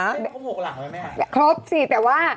เขาโมกหลังไหมแม่ครบสิแต่ว่า